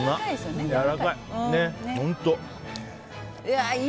やわらかい。